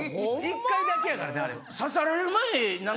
１回だけやからね。